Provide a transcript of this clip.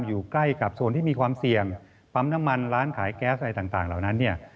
อยู่ใกล้กับโซนที่มีความเสี่ยงปั๊มน้ำมันร้านขายแก๊สอะไรต่างเหล่านั้นเนี่ย